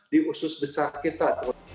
di usus besar kita